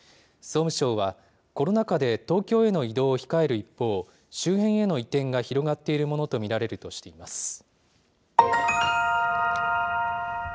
総務省はコロナ禍で東京への移動を控える一方、周辺への移転が広がっているものと見られるとしています。